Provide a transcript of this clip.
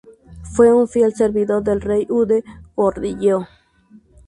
Fue un fiel servidor del rey U de Goryeo.